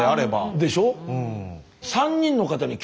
でしょ？